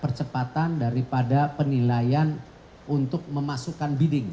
percepatan daripada penilaian untuk memasukkan bidding